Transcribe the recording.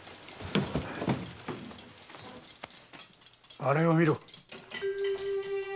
あれを見ろ。